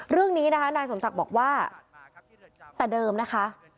เรื่องนี้นะคะนายสมศักดิ์บอกว่าแต่เดิมนะคะ